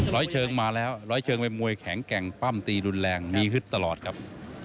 ร้อยเชิงมาแล้วร้อยเชิงเป็นมวยแข็งแกร่งปั้มตีรุนแรงมีฮึดตลอดครับ